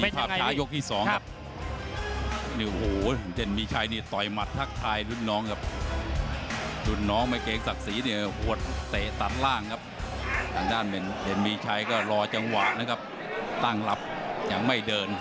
ต่อจังหวะนะครับตั้งลับอย่างไม่เดิน